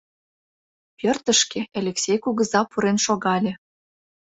Пӧртышкӧ Элексей кугыза пурен шогале.